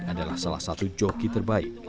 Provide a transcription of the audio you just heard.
adalah salah satu joki terbaik